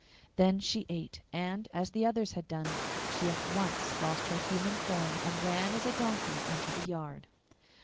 Then she ate, and, as the others had done, she at once lost her human form, and ran as a donkey into the yard.